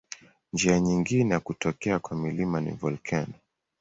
Njia nyingine ya kutokea kwa milima ni volkeno.